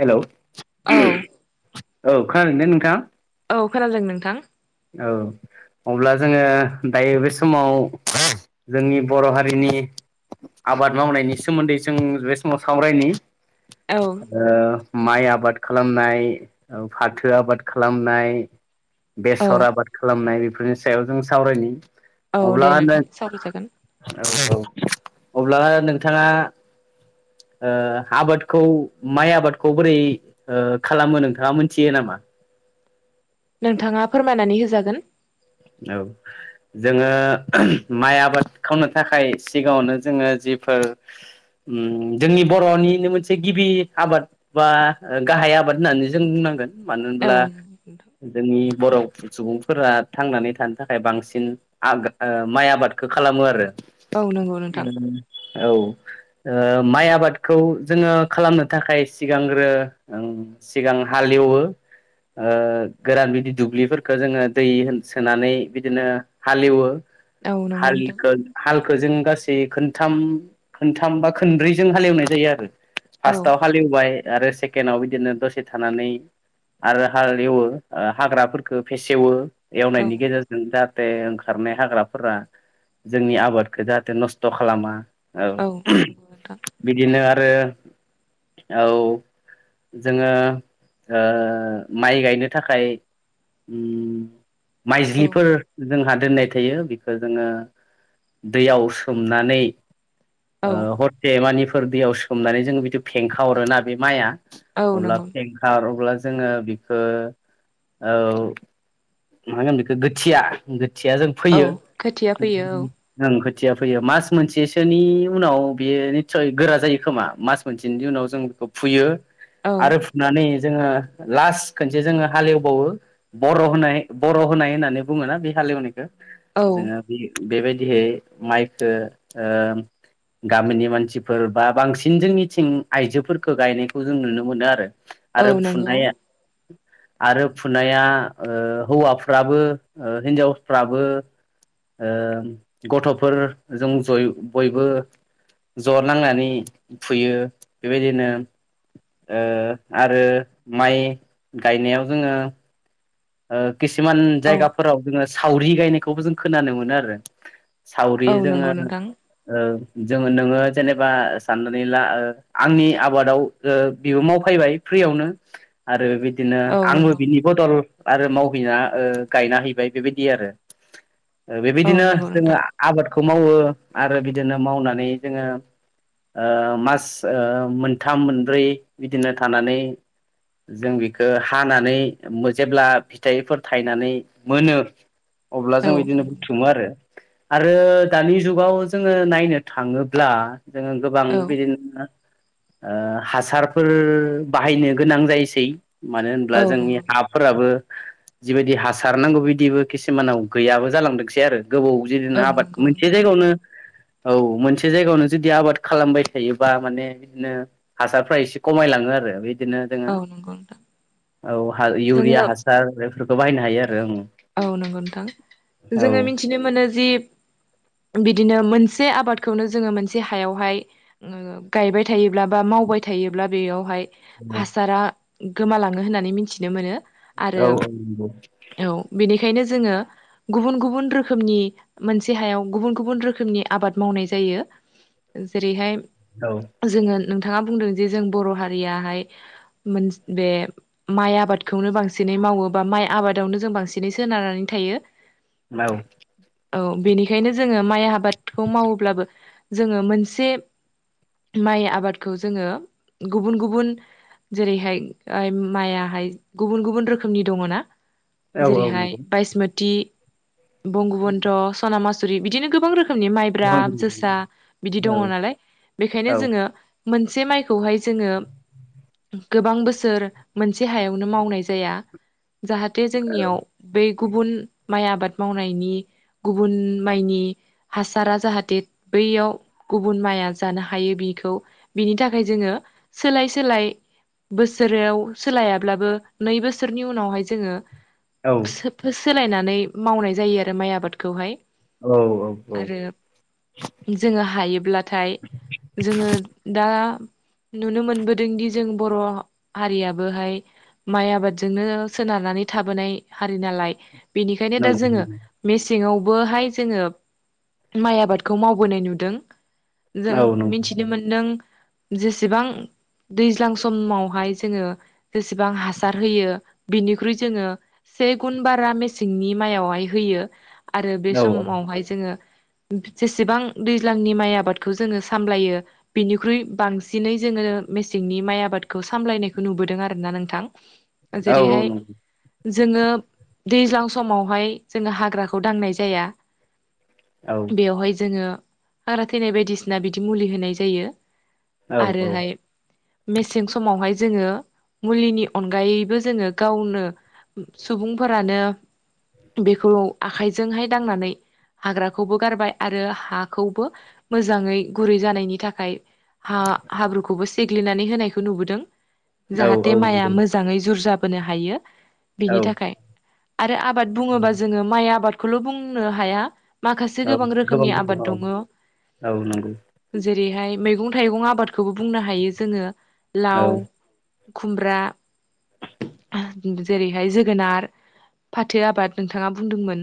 Hello औ औ खोनादों ने नोंथां? औ खोनादों नोंथां। औ अब्ला जोङो दायो बे समाव जोंनि बर' हारिनि नि आबाद मावनायनि सोमोन्दै जों बे समाव सावरायनि औ ओ माइ आबाद खालामनाय फाथो आबाद खालामनाय औ बेसर आबाद खालामनाय बेफोरनि सायाव जों सावरायनायनि औ । अब्ला दे नोंथां सावरायजागोन औ अब्ला नोंथाङा ओ आबादखौ माइ आबादखौ बोरै खालामो ओ नोंथाङा मोनथियो नामा? नोंथाङा फोरमायनानै होजागोन । औ जोङो माइ आबाद खालामनो थाखाय सिगाङावनो जोङो जि फोर ओम जोंनि बर'निनो मोनसे गिबि आबाद बा गाहाय आबाद होननानै जों बुंनांगोन। मानो औ होनब्ला नोंथां जोंनि बर' सुबुंफोरा थांनानै थानो थाखाय बांसिन आ ओ माइ आबादखौ खालामो आरो औ नंगौ नोंथां औ ओ माइ आबादखौ जोङो खालामनो थाखाय सिगांग्रो सिगां हाल लेवबो ओ गोरान बिदि दुब्लि फोरखौ जोङो दै हो सोनानै बिदिनो हालेवो औ नंगौ नोंथां हालखौ हाल खौ जों गासै खनथाम खनथाम बा खोनब्रैजों हालेवनाय जायो आरो औ फार्स्टाव हालेवबाय आरो सेकेण्डाव बिदिनो दसे थानानै आरो हाल एवो हाग्राफोरखौ फेसेवो औ एवनायनि गेजेरजों जा हाथे ओंखारनाय हाग्राफोरा जोंनि आबादखौ जाहाथे नस्थ' खालामा औ नंगौ नोंथां बिदिनो आरो औ जोङो ओ माइ गायनो थाखाय औ माइज्लिफोर जोंहा दोननाय थायो बेखौ जोङो दैयाव सोमनानै औ ओ हरसे मानिफोर दैयाव सोमनानै जोङो बिदि फेंखाहरोना बे माइआ औ अब्ला नंगौ फेंकार अब्ला जोङो बेखौ औ मा होनगोन बेखौ गोथिया गोथिया जों औ फोयो खोथिया फैयो गोथिया फोयो मास मोनसेसोनि उनाव बेयो निसय गोरा जायो खोमा मास मोनसेनि उनाव जों खौ फुयो औ आरो फुनानै जोङो लास्ट खनसे जोङो हालेवबावो बर' होनाय बर' होनाय होननानै बुङोना बे हालेवनायखौ औ जोङो बे बेबायदिहै माइखो ओ गामिनि मानसिफोर बा बांसिन जोंनिथिं आइजोफोरखो गायनायखौ जों नुनो मोनो आरो औ आरो नंगौ फुनाया आरो फुनाया ओ हौवाफ्राबो हिनजावफ्राबो ओ गथ'फोरजों जय बयबो ज' नांनानै फुयो बेबायदिनो ओ आरो माइ गायनायाव जोङो ओ खिसुमान औ जायगाफोराव जोङो सावरि गायनायखौबो जों खोनानो मोनो आरो सावरि औ जोङो नंगौ नोंथां ओ जोङो नोङो जेनेबा साननानै ला ओ आंनि आबादाव बेबो मावफायबाय फ्रियावनो आरो बिदिनो औ आंबो नंगौ बिनि नोंथां बदल आरो मावहैना ओ गायना हैबाय बेबायदि आरो औ बेबायदिनो नंगौ जोङो नोंथां आबादखौ मावो आरो बिदिनो मावनानै जोङो ओ मास मोनथाम मोनब्रै बिदिनो थानानै जों बेखौ हानानै मो जेब्ला फिथाइफोर थायनानै मोनो अब्ला औ जों बिदिनो नंगौ बुथुमो आरो आरो दानि जुगाव जोङो नायनो थाङोब्ला जोङो गोबां औ बिदिनो ओ हासारफोर बाहायनो गोनां जायोसै मानो होनब्ला औ जोंनि नंगौ आब फ्राबो जिबायदि हासार नांगौ बिदिबो किसुमानाव गैयाबो जालांदोंसै आरो गोबाव औ जेरैनो आबाद नंगौ मोनसे नोंथां जायगायावनो औ मोनसे जायगायावनो जुदि आबाद खालामबाय थायोबा माने बिदिनो हासारफ्रा एसे खमायलाङो आरो बे बिदिनो जोङो औ नंगौ नोंथां औ जोङो इउरिया हासार बेफोरखौ बाहायनो हायो आरो उम औ नंगौ नोंथां जोङो मिथिनो मोनो जि बिदिनो मोन से आबादखौनो जोङो मोनसे हायावहाय गायबाय थायोब्ला बा मावबाय थायोब्ला बेयावहाय हासारा गोमालाङो होननानै मिथिनो मोनो। आरो औ औ इदिनो औ बेनिखायनो जोङो गुबुन गुबुन रोखोमनि मोनसे हायाव गुबुन गुबुन रोखोमनि आबाद मावनाय जायो जेरैहाय जों नोंथाङा बुंदों जे जों बर' हारियाहाय मोन बे माइ आबादखौनो बांसिन मावोबा माइ आबादावनो जों बांसिनै सोनारनानै थायो [unintelligible] औ बेनिखायनो जोङो माइ आबादखौ मावोब्लाबो जोङो मोनसे माइ आबादखौ जोङो गुबुन गुबुन जेरैहाय मायाहाय गुबुन गुबुन रोखोमनि दङ ना औ औ जेरैहाय नंगौ बायसमोति बंगबन्ध सना मासुरि बिदिनो गोबां रोखोम नि माइब्रा गोबां जोसा बिदि औ दङ नालाय बेखायनो जोङो मोनसे माइखौहाय जोङो गोबां बोसोर मोनसे हायावनो मावनाय जाया जाहा जोंनियाव बे गुबुन माइ आबाद मावनायनि गुबुन माइनि हासारा जाहाथे बैयाव गुबुन माया जानो हायि बि बिखौ बिनि थाखाय जोङो सोलाय सोलाय बोसोराव सोलायाब्लाबो नै बोसोरनि उनावहाय जोङो औ सोब सोलायनानै मावनाय जायो आरो माइ आबाद खौहाय औ औ औ जोङो हायोब्लाथाय जोङो दा नुनो मोनबोदोंदि जों बर' हारियाबोहाय माइ आबादजोंनो सोनारनानै थाबोनाय हारि नालाय बेनिखायनो दा नंगौ जोङो मेसेंङाव बोहाय जोङो माइ आबादखौ मावबोनाय नुदों जों औ नंगौ मिथिनो मोनदों जेसेबां दैज्लां समावहाय जोङो जेसेबां हासार होयो बिनिख्रुइ जोङो से गुन बारा मेसेंनि मायावहाय होयो आरो बे औ समावहाय जोङो जेसेबां दैज्लांनि माइ आबादखौ जोङो सामलायो बिनिख्रुइ बांसिनै जोङो मेसेंनि माइ आबादखौ सामलायनायखौ नुबोदों आरोना नोंथां औ जेरैहाय नं जोङो दैज्लां समावहाय जोङो हाग्राखौ दांनाय जाया औ बेवहाय जोङो हाग्रा थैनाय बायदिसिना बिदि मुलि होनाय जायो औ आरोहाय मेसें समावहाय जोङो मुलिनि अनगायैबो जोङो गावनो सुबुंफोरानो बेखौ आखाइजोंहाय दांनानै हाग्राखौबो गारबाय आरो हाखौबो मोजाङै गुरै जानायनि थाखाय हा हाब्रुखौबो सेग्लिनानै होनायखौ नुबोदों जाहाथे औ माइआ नंगौ मोजाङै जुरजाबोनो हायो औ बिनि थाखाय आरो आबाद बुङोबा जोङो माइ आबादखौल' बुंनो हाया माखासे औ गोबां रोखोमनि आबाद गोबां दङो औ औ नंगौ जेर जेरैहाय मैगं थाइगं आबादखौबो बुंनो हायो जोङो औ नंगौ औ लाव नंगौ खुमब्रा जेरैहाय जोगोनार फाथो आबाद नोंथाङा बुंदोंमोन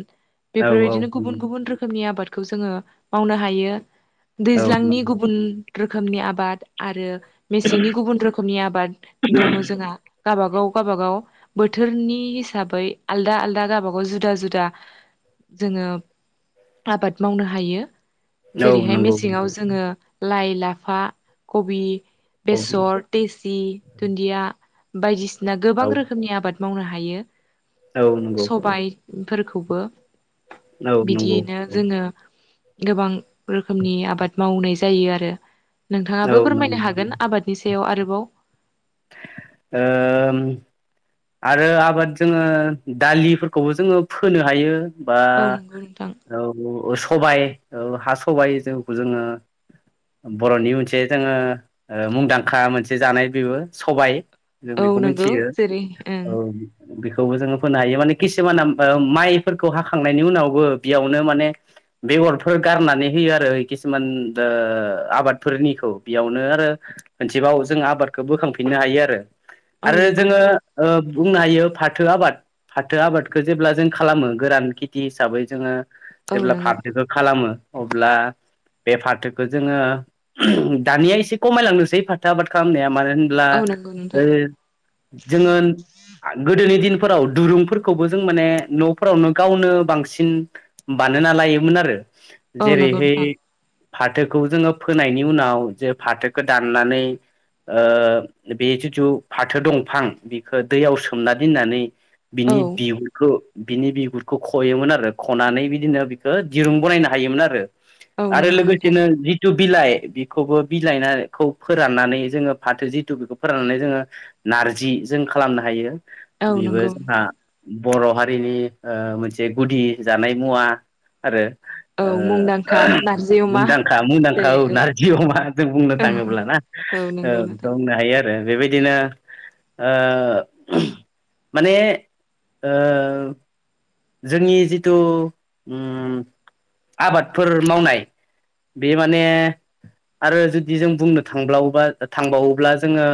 औ बेफोरबायदिनो गुबुन नंगौ गुबुन रोखोमनि आबादखौ जोङो मावनो हायो औ नंगौ औ दैज्लांनि गुबुन रोखोमनि आबाद आरो मेसेंनि गुबुन रोखोमनि आबाद दङ जोंहा गावबागाव गावबागाव बोथोरनि हिसाबै आलदा आलदा गाबागाव जुदा जुदा जोङो आबाद मावनो हायो जेरैहाय मेसेङाव जोङो लाइ लाफा कबि बेसर देसि दुन्दिया बायदिसिना गोबां रोखोम आबाद मावनो हायो। औ नंगौ औ। फोरखौबो बिदियैनो जोङो गोबां रोखोमनि आबाद मावनाय जायो आरो। औ नोंथाङाबो नंगौ फोरमायनो हागोन आबादनि सो दैयाव आरोबाव। ओम। आरो आबाद जोङो दालिफोरखौबो जोङो फोनो हायो। बा औ नंगौ नोंथां औ सबाइ औ हा सबाइ जौखौ जोङो बर'नि मोनसे जोङो ओ मुंदांखा मोनसे जानाय बेबो सबाय। जों औ बेखौ नंगौ मिनथियो जेरै ओं औ। बेखौबो जोङो फोनो हायो माने किसुमाना ओ माइफोरखौ हाखांनायनि उनावबो बेयावनो माने बेगरफोर गारनानै होयो आरो किसुमान ओ आबादफोरनिखौ बेयावनो आरो मोनसेबाव जोङो आबादखौ बोखांफिननो हायो आरो औ आरो नंगौ जोङो नोंथां ओ बुंनो हायो फाथो आबाद फाथो आबादखो जेब्ला जों खालामो गोरान खेथि हिसाबै जोङो औ जेब्ला नंगौ फाथोखो खालामो अब्ला बे फाथोखो जोङो दानिया एसे खमायलांनोसै फाथो आबाद खालामनाया मानो होन ब्ला ओ नोंथां जोङो गोदोनि दिनफोराव दुरुंफोरखौबो जों माने न'फोरावनो गावनो बांसिन बा नायना लायोमोन आरो औ नंगौ जेरैहाय नोंथां फाथोखौ जोङो फोनायनि उनाव जे फाथोखो दाननानै ओ बे जिथु फाथो दंफां बेखो दैयाव सोमना दोननानै औ नंगौ नोंथां बिनि औ बिगुरखो बिनि बिगुरखौ खयोमोन आरो ख'नानै बिदिनो बिखो दिरुं बनायनो हायोमोन आरो। औ आरो नंगौ नोंथां लोगोसेनो जि थु बिलाइ बेखौबो बिलाइनाखौ फोराननानै जोङो फाथो जि हेथु बेखौ फोराननानै जोङो नारजि जों खालामनो हायो औ बेबो नंगौ जोंहा नोंथां बर' हारिनि ओ मोनसे गुदि जानाय मुवा आरो। ओ औ मुंदांखा नारजि अमा मुंदांखा मुंदांखा जेरै औ नारजि नंगौ अमा जों बुंनो औ थाङोब्ला ना? औ नोंगौ‌ नोंथां। बे आरो बेबायदिनो ओ माने ओ जोंनि जिथु उम आबादफोर मावनाय बे माने आरो जुदि जों बुंनो थांब्लावोबा थांबावोब्ला जोङो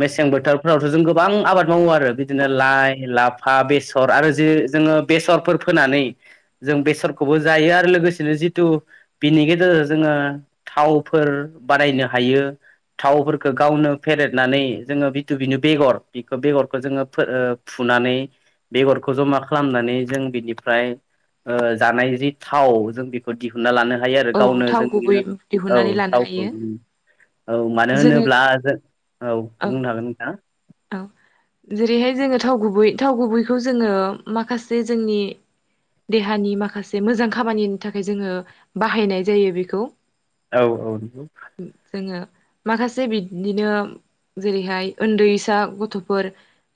मेसें बोथोरफोरावथ' जों गोबां आबाद मावो आरो बिदिनो लाइ, लाफा, बेसर आरो जे जोङो बेसरफोर फोनानै जों बेसरखौबो जायो आरो लोगोसेनो जिथु बिनि गेजेर जों जोङो थावफोर बानायनो हायो। थावफोरखौ गावनो फेरेेदनानै जोङो बिथु बिनि बेगर बेखौ बेगरखो जोङो फो ओ फु नानै बेगरखौ जमा खालामनानै जों बिनिफ्राय ओ जानाय जि थाव जों बेखौ दिहुनना लानो हायो आरो औ गावनो थाव जोंनि गुबै औ दिहुननानै लानो थावखौ हायो औ मानो जोङो होनोब्ला जों औ बुंनो हागोन नोंथाङा औ। जेरैहाय जोङो थाव गुबै थाव गुबैखौ जोङो माखासे जोंनि देहानि माखासे मोजां खामानिनि थाखाय जोङो बाहायनाय जायो बेखौ। औ औ नोंगौ। जोङो माखासे बिददिनो जेरैहाय ओन्दै फिसा गथ'फोर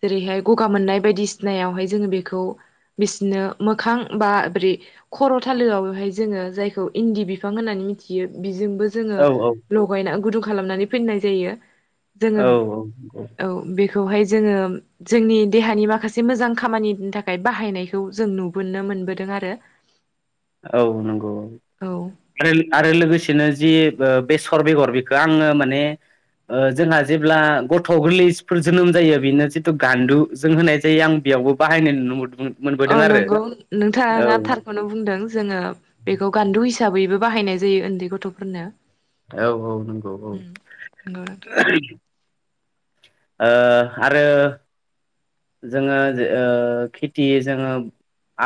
जेरैहाय गगा मोननाय बायदिसिनायावहाय जोङो बेखौ बिसिनो मोखां बा ब्रि खर' थालोआवहाय जोङो जायखौ इन्दि बिफां होननानै मिथियो बिजोंबो जोङो औ लगायना गुदुं खालामनानै फिननाय जायो। जोङो औ औ औ। बेखौहाय जोङो जोंनि देहानि माखासे मोजां खामानिनि थाखाय बाहायनायखौ जों नुबो नो मोनबोदों आरो। औ नंगौ औ आरो आरो लोगोसेनो जि ओ बेसर बेगर बिखो आङो माने ओ जोंहा जेब्ला गथ' गोरलैसफोर जोनोम जायो बिनो जिथु गान्दु जों होनाय जायो आं बि यावबो बाहायनाय नुनो मोनदोंमोन। औ नंगौ नोंथाङा थारखौनो बुंदों जोङो बेखौ गान्दु हिसाबैबो बाहायनाय जायो उन्दै गथ'फोरनो औ औ नंगौ औ उम नंगौ नोंथां [unintelligible] ओ आरो जोङो ओ खेथि जोङो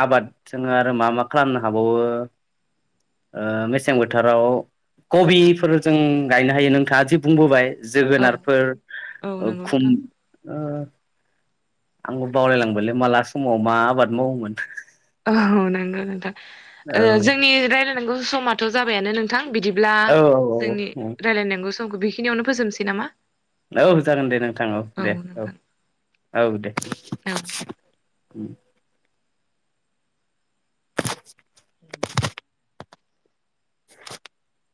आबाद जोङो आरो मा मा खालामनो हाबावो ओ मेसें बोथोराव कबिफोर जों गायनो हायो नोंथाङा जि बुंबोबाय औ जोगोनारफोर औ ओ नंगौ खुम नोंथां ओ आंबो बावलायलांबायलै माला समाव मा आबाद मावोमोन औ नंगौ नोंथां औ ओ जोंनि रायलायनांगौ समाथ' जाबायानो नोंथां बिदिब्ला औ जोंनि औ रायलायनांगौ समखौ बेखिनियावनो फोजोबनोसै नामा? औ जागोन दे नोंथां औ दे औ औ दे औ ओम [unintelligible] [unintelligible]